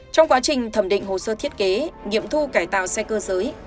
trong quá trình thẩm định hồ sơ thiết kế nghiệm thu cải tạo xe cơ giới